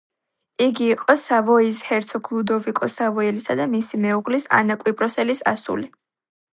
იგი იყო სავოიის ჰერცოგ ლუდოვიკო სავოიელისა და მისი მეუღლის, ანა კვიპროსელის ასული.